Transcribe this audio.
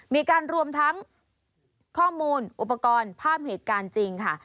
มีการรวมทั้งข้อมูลอุปกรณ์ภาพเหตุการณ์จริงค่ะ